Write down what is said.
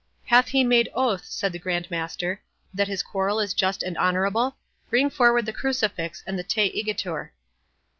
"Hath he made oath," said the Grand Master, "that his quarrel is just and honourable? Bring forward the Crucifix and the 'Te igitur'."